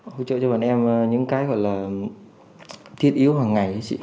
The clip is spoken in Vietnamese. hỗ trợ cho bọn em những cái gọi là thiết yếu hàng ngày ấy chị